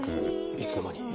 いつの間に。